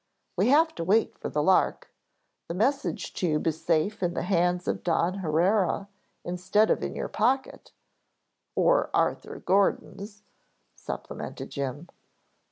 We have to wait for the 'Lark,' the message tube is safe in the hands of Don Haurea instead of in your pocket " "Or Arthur Gordon's," supplemented Jim.